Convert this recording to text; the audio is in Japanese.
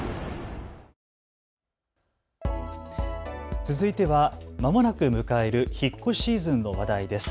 続いてはまもなく迎える引っ越しシーズンの話題です。